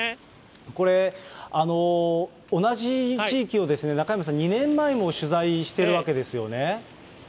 これ、同じ地域を中山さん、２年前も取材してるわけですよね？